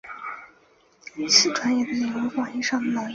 此专页的内容为广义上的农业。